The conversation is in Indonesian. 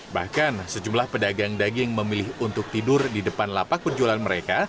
bahkan sejumlah pedagang daging memilih untuk tidur di depan lapak penjualan mereka